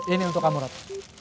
ini untuk kamu rat